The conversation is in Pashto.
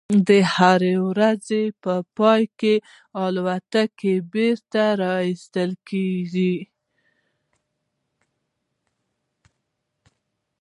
د هرې ورځې په پای کې د الوتکې بیټرۍ ایستل کیږي